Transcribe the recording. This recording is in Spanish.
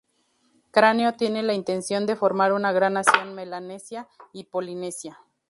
Cráneo tiene la intención de formar una gran nación Melanesia y Polinesia.